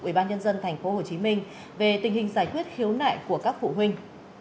ubnd tp hcm về tình hình giải quyết khiếu nại của các phụ huynh